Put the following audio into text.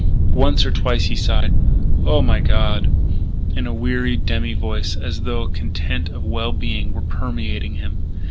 Once or twice he sighed, "Oh, my God," in a weary demi voice, as though the content of well being were permeating him.